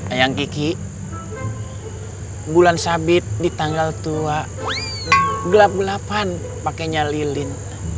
ayam kiki bulan sabit di tanggal tua gelap delapan pakainya lilin